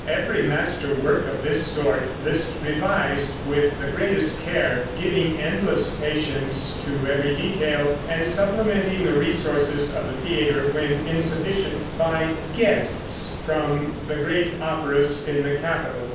Every master work of this sort Liszt revised with the greatest care, giving endless patience to every detail, and supplementing the resources of the theater, when insufficient, by "guests" from the great operas in the capital.